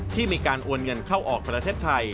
ที่มีการโอนเงินเข้าออกประเทศไทย